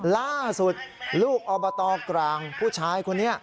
ล่าสุดลูกอบตกลางผู้ชายคนนี้